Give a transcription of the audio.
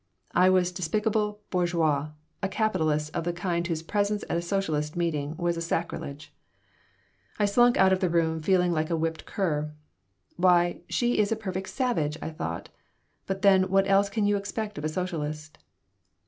I was a despicable "bourgeois," a "capitalist" of the kind whose presence at a socialist meeting was a sacrilege I slunk out of the room feeling like a whipped cur. "Why, she is a perfect savage!" I thought. "But then what else can you expect of a socialist?"